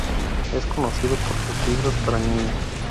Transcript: Es conocido por sus libros para niños.